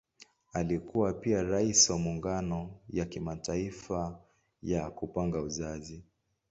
Alikuwa pia Rais wa Muungano ya Kimataifa ya Kupanga Uzazi.